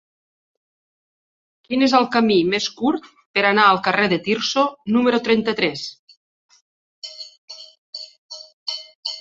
Quin és el camí més curt per anar al carrer de Tirso número trenta-tres?